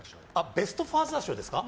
ベスト・ファーザー賞ですか？